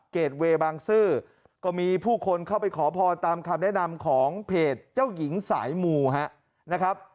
เกรดเวย์บางซื่อก็มีผู้คนเข้าไปขอพรตามคำแนะนำของเพจเจ้าหญิงสายมูนะครับ